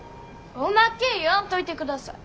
おまけ言わんといてください。